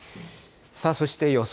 そして予想